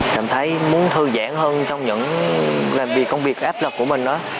cảm thấy muốn thư giãn hơn trong những làm việc công việc áp lực của mình đó